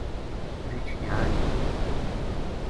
رچھ جا رہیو